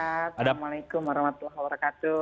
assalamualaikum warahmatullahi wabarakatuh